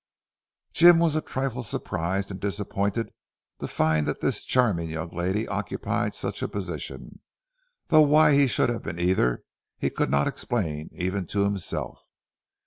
Jim was a trifle surprised and disappointed to find that this charming young lady occupied such a position, though why he should have been either he could not explain even to himself.